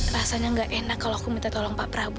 rasanya gak enak kalau aku minta tolong pak prabu